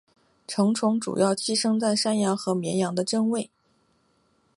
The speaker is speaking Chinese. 成虫主要寄生在山羊和绵羊的真胃。